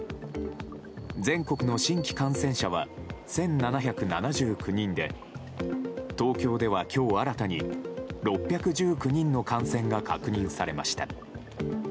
全国の新規感染者は１７７９人で東京では今日新たに６１９人の感染が確認されました。